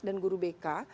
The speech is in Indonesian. dan guru bk